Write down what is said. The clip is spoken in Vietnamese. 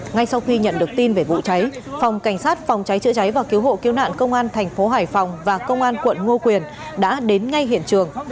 ngay sau khi nhận được tin về vụ cháy phòng cảnh sát phòng cháy chữa cháy và cứu hộ cứu nạn công an thành phố hải phòng và công an quận ngo quyền đã đến ngay hiện trường